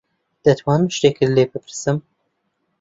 دەتوانم شتێکت لێ بپرسم؟